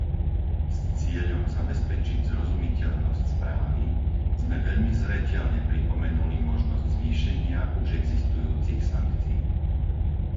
S cieľom zabezpečiť zrozumiteľnosť správy, sme veľmi zreteľne pripomenuli možnosť zvýšenia už existujúcich sankcií.